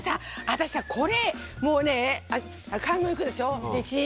私さ、買い物行くでしょ。